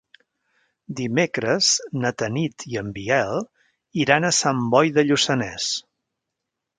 Dimecres na Tanit i en Biel iran a Sant Boi de Lluçanès.